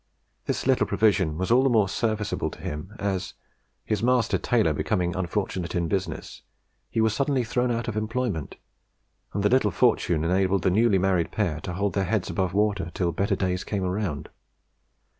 This little provision was all the more serviceable to him, as his master, Taylor, becoming unfortunate in business, he was suddenly thrown out of employment, and the little fortune enabled the newly married pair to hold their heads above water till better days came round.